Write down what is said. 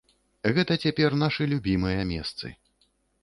Гэта цяпер нашы любімыя месцы.